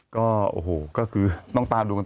ก็โอ้โหก็คือต้องตามดูกัน